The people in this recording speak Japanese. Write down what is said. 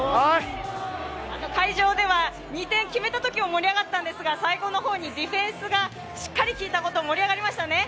会場では２点、決めたときも盛り上がったんですが、最後の方にディフェンスがしっかり効いたこと、盛り上がりましたね。